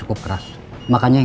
ini lebih mungkin